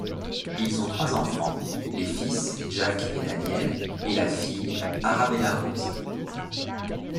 Ils ont trois enfants: les fils Jack et Daniel et la fille Arabella Rose.